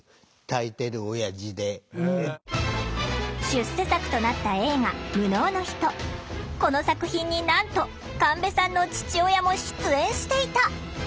出世作となったこの作品になんと神戸さんの父親も出演していた！